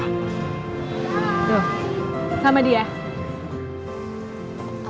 kalau mbak disco yang nampak tau